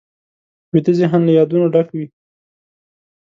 ویده ذهن له یادونو ډک وي